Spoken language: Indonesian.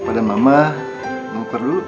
pada mama mau berdua ya